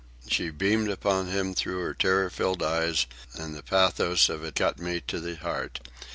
She beamed upon him through her terror filled eyes, and the pathos of it cut me to the heart.